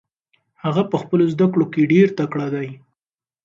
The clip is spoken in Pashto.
هغه په خپلو زده کړو کې ډېر تکړه دی.